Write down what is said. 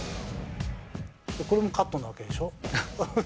これもカットなわけでしょ？